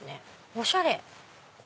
おしゃれ！